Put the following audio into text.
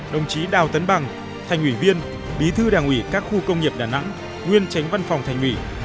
đồng chí đào tấn bằng thành ủy viên bí thư đảng ủy các khu công nghiệp đà nẵng nguyên tránh văn phòng thành ủy